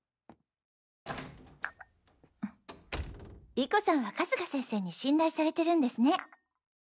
理子さんは春日先生に信頼されてるんですね。